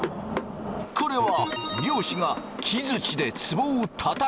これは漁師が木づちでつぼをたたく音。